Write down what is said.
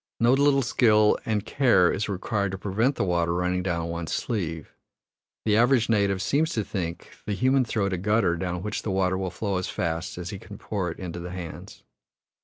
No little skill and care is required to prevent the water running down one's sleeve: the average native seems to think the human throat a gutter down which the water will flow as fast as he can pour it into the hands.